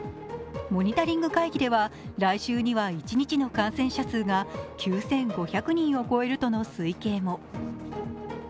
モニタリング会議では来週には一日の感染者が９５００人を超えるとの推計も。